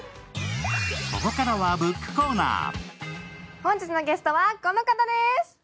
本日のゲストはこの方です。